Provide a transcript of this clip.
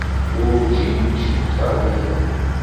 Werǧin i ccukteɣ di kra.